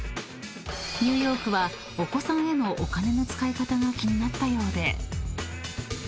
［ニューヨークはお子さんへのお金の使い方が気になったようで］